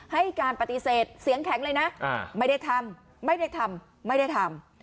ให้การปฏิเสธเสียงแข็งเลยนะไม่ได้ทำไม่ได้ทำไม่ได้ทำ